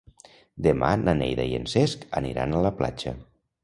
Demà na Neida i en Cesc aniran a la platja.